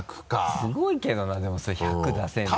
すごいけどなでもそれ１００出せるのは。